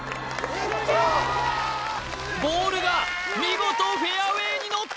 ボールが見事フェアウェイに乗った！